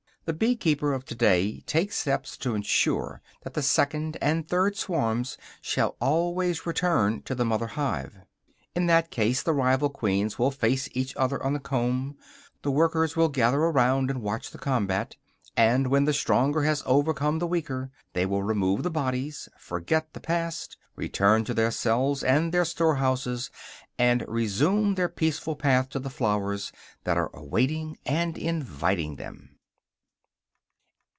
The bee keeper of to day takes steps to ensure that the second and third swarms shall always return to the mother hive. In that case, the rival queens will face each other on the comb; the workers will gather around and watch the combat; and, when the stronger has overcome the weaker, they will remove the bodies, forget the past, return to their cells and their storehouses, and resume their peaceful path to the flowers that are awaiting and inviting them.